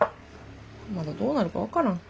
まだどうなるか分からん。